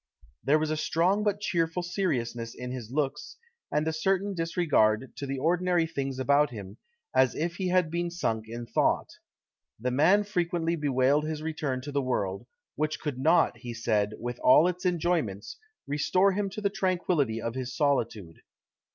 There was a strong but cheerful seriousness in his looks, and a certain disregard to the ordinary things about him, as if he had been sunk in thought. The man frequently bewailed his return to the world, which could not, he said, with all its enjoyments, restore him to the tranquillity of his solitude."